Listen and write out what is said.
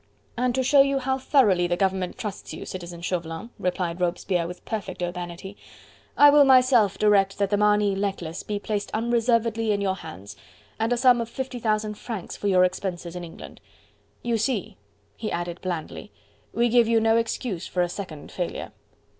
"And to show you how thoroughly the government trusts you, Citizen Chauvelin," replied Robespierre with perfect urbanity, "I will myself direct that the Marny necklace be placed unreservedly in your hands; and a sum of fifty thousand francs for your expenses in England. You see," he added blandly, "we give you no excuse for a second failure."